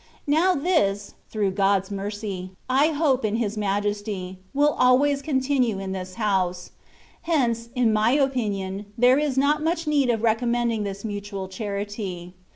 Now this, through God's mercy, I hope in His Majesty, will always continue in this house; hence, in my opinion, there is not much need of recommending this mutual charity.